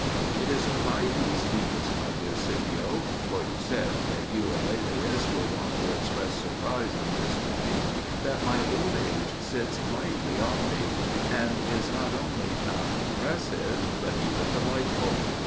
It is by these means, my dear Scipio, for you said that you and Laelius were wont to express surprise on this point, that my old age sits lightly on me, and is not only not oppressive but even delightful.